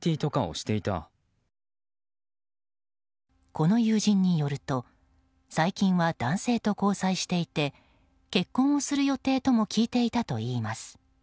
この友人によると最近は男性と交際していて結婚をする予定とも聞いていたといいます。